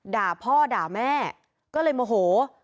ด่าพ่อด่าแม่ก็เลยโมโห